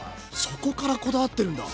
そこからこだわってるんだ。